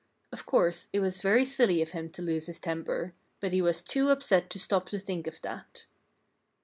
Of course, it was very silly of him to lose his temper. But he was too upset to stop to think of that.